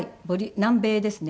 南米ですね。